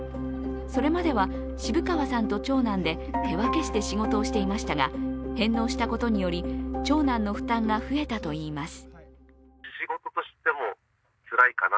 それまでは渋川さんと長男で手分けして仕事をしていましたが、返納したことにより、長男の負担が増えたといいます。